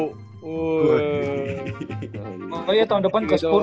oh iya tahun depan ke spurs